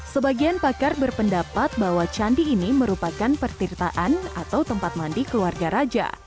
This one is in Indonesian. sebagian pakar berpendapat bahwa candi ini merupakan pertirtaan atau tempat mandi keluarga raja